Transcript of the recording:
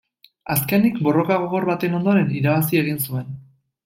Azkenik, borroka gogor baten ondoren, irabazi egin zuen.